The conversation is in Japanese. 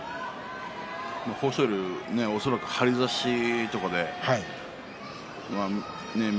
豊昇龍は恐らく張り差しで翠